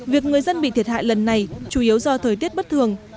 việc người dân bị thiệt hại lần này chủ yếu do thời tiết bất thường